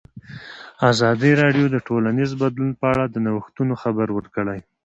ازادي راډیو د ټولنیز بدلون په اړه د نوښتونو خبر ورکړی.